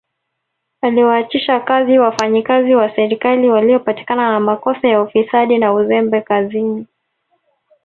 Aliwaachisha kazi wafanyikazi wa serikali waliopatikana na makosa ya ufisadi na uzembe kazini